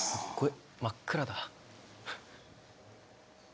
真っ暗だ